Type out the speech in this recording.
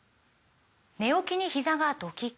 寝起きにひざがドキッ！